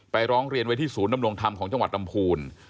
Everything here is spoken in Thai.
ร้องเรียนไว้ที่ศูนย์ดำรงธรรมของจังหวัดลำพูน